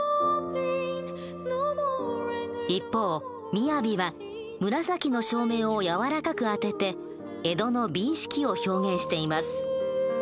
一方「雅」は紫の照明を柔らかく当てて江戸の美意識を表現しています。